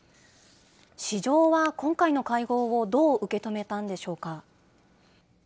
市場は今回の会合をどう受け止めたんでしょうか。